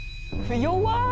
弱い。